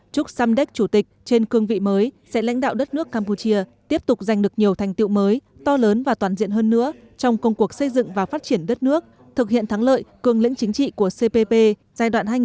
chúc samdek chủ tịch trên cương vị mới sẽ lãnh đạo đất nước campuchia tiếp tục giành được nhiều thành tiệu mới to lớn và toàn diện hơn nữa trong công cuộc xây dựng và phát triển đất nước thực hiện thắng lợi cường lĩnh chính trị của cpp giai đoạn hai nghìn một mươi một hai nghìn hai mươi